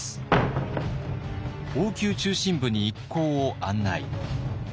王宮中心部に一行を案内。